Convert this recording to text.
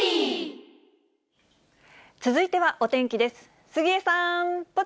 続いてはお天気です。